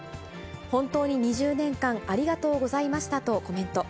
本当に２０年間、ありがとうございましたとコメント。